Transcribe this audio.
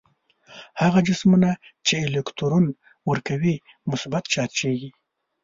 هغه جسمونه چې الکترون ورکوي مثبت چارجیږي.